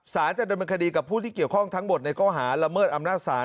จะดำเนินคดีกับผู้ที่เกี่ยวข้องทั้งหมดในข้อหาละเมิดอำนาจศาล